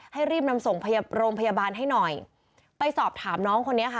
รีบนำส่งโรงพยาบาลให้หน่อยไปสอบถามน้องคนนี้ค่ะ